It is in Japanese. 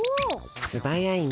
すばやいね。